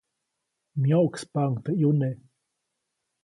Myoʼkspaʼuŋ teʼ ʼyune.